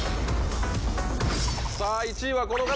さぁ１位はこの方。